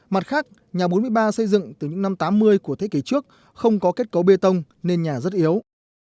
mặt khác nhà bốn mươi ba xây dựng từ những năm tám mươi của thế kỷ trước không có kết cấu bê tông nên nhà rất yếu